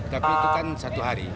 tapi itu kan satu hari